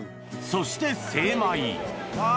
そして精米あ！